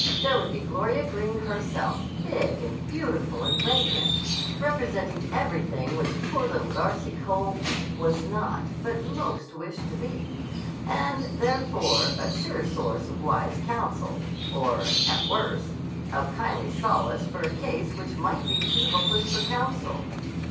There would be Gloria Greene herself, big and beautiful and radiant, representing everything which poor little Darcy Cole was not but most wished to be, and, furthermore, a sure source of wise counsel, or, at worst, of kindly solace for a case which might be too hopeless for counsel.